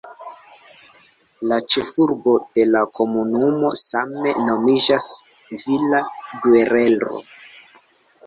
La ĉefurbo de la komunumo same nomiĝas "Villa Guerrero".